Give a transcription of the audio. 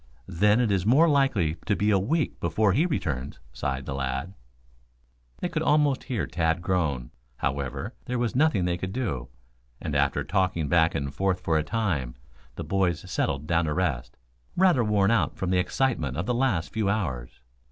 "Then, it is more likely to be a week before he returns," sighed the lad. They could almost hear Tad groan. However, there was nothing they could do, and after talking back and forth for a time, the boys settled down to rest, rather worn out from the excitement of the last few hours.